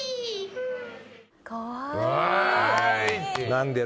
かわいい。